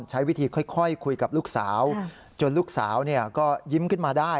ใช้วิธีค่อยคุยกับลูกสาวจนลูกสาวก็ยิ้มขึ้นมาได้